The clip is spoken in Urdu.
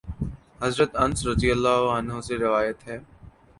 حضرت انس رضی اللہ عنہ سے روایت ہے